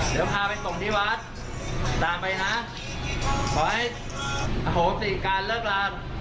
เดี๋ยวพาไปส่งที่วัดตามไปนะขอให้อโหติการเลิกลา